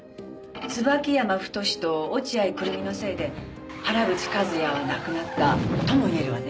椿山太と落合久瑠実のせいで原口和也は亡くなったとも言えるわね。